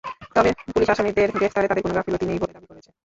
তবে পুলিশ আসামিদের গ্রেপ্তারে তাদের কোনো গাফিলতি নেই বলে দাবি করেছে।